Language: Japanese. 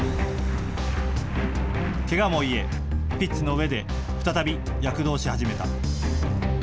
けがも癒え、ピッチの上で再び躍動し始めた。